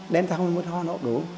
đến tháng một mươi một họ nộp đủ